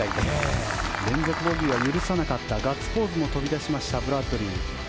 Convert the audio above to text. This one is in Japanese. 連続ボギーは許さなかったガッツポーズも飛び出しましたブラッドリー。